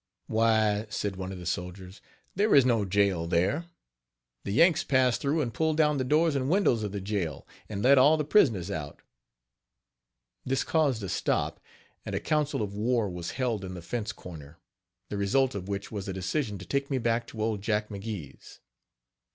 " "Why," said one of the soldiers, "there is no jail there; the Yanks passed through and pulled down the doors and windows of the jail, and let all the prisoners out." This caused a stop; and a council of war was held in the fence corner, the result of which was a decision to take me back to old Jack McGee's.